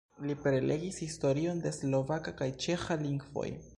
Li prelegis historion de slovaka kaj ĉeĥa lingvoj.